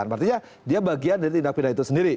artinya dia bagian dari tindak pidana itu sendiri